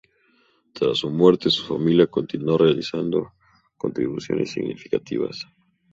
Tras su muerte, su familia continuó realizando contribuciones significativas.